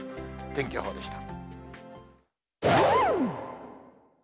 天気予報でした。